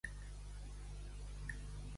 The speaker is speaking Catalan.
Temptar a Déu.